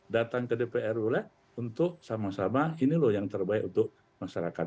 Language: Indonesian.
datang ke dpr boleh untuk sama sama ini loh yang terbaik untuk masyarakat